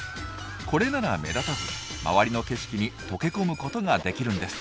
これなら目立たず周りの景色に溶け込むことができるんです。